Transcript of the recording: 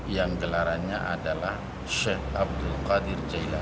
yang gelarannya adalah sheikh abdul qadir jaila